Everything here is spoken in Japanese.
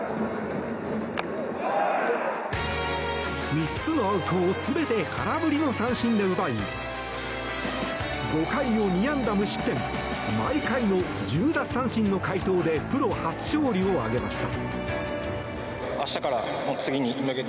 ３つのアウトを全て空振りの三振で奪い５回を２安打無失点毎回の１０奪三振の快投でプロ初勝利を挙げました。